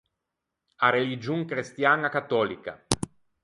A religion crestiaña catòlica.